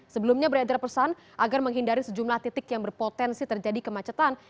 sebelumnya beredar pesan agar menghindari sejumlah titik yang berpotensi terjadi kemacetan